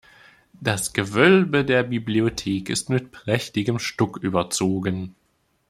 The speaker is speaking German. Das Gewölbe der Bibliothek ist mit prächtigem Stuck überzogen.